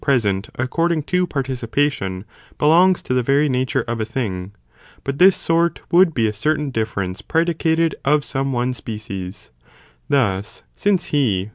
present according to participation, belongs: to the [668 οὐ, 6 κ very nature of a thing, but this sort would bea © certain difference predicated of some one species: thus, since he who.